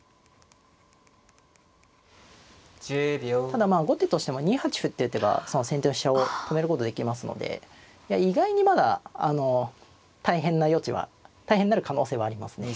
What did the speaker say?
ただまあ後手としても２八歩っていう手がその先手の飛車を止めることできますので意外にまだ大変な余地は大変になる可能性はありますね。